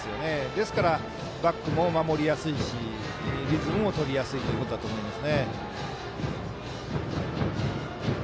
ですから、バックも守りやすいしリズムもとりやすいということだと思います。